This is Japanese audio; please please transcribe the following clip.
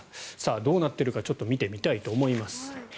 どうなっているかちょっと見てみたいと思います。